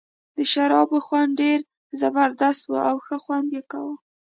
د شرابو خوند ډېر زبردست وو او ښه خوند یې کاوه.